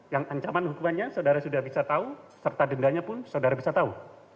yang ancaman hukumannya saudara sudah bisa tahu serta dendanya pun saudara bisa tahu